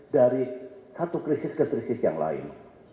dari satu krisis ke krisis yang lain